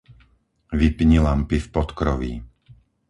Vypni lampy v podkroví.